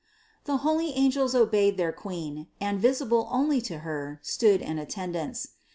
762. The holy angels obeyed their Queen and, visible only to Her, stood in attendance.